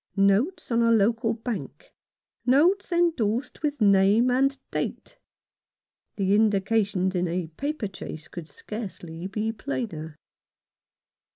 Notes on a local bank ; notes endorsed with name and date ! The indications in a paper chase could scarcely be plainer.